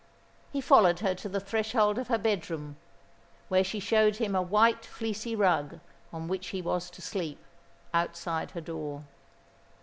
He followed her to the threshold of her bedroom, where she showed him a White, fleecy rug on which he was to sleep, outside her door.